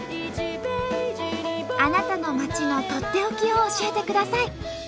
あなたの町のとっておきを教えてください。